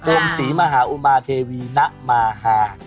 อวมศรีมหาอุมาเทวีนะมาฮา